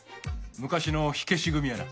昔の火消し組やな。